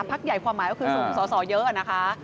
พักใหญ่ความหมายก็คือส่งสอสอเยอะนะคะ